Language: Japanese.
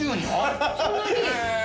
そんなに？